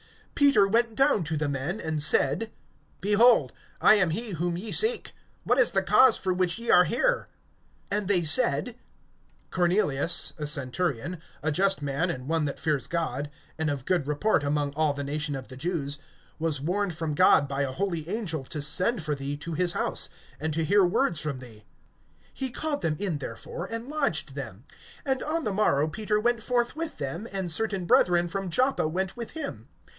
(21)Peter went down to the men, and said: Behold, I am he whom ye seek. What is the cause for which ye are here? (22)And they said: Cornelius, a centurion, a just man, and one that fears God, and of good report among all the nation of the Jews, was warned from God by a holy angel to send for thee to his house; and to hear words from thee. (23)He called them in, therefore, and lodged them. And on the morrow Peter went forth with them, and certain brethren from Joppa went with him.